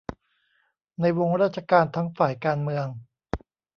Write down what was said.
ในวงราชการทั้งฝ่ายการเมือง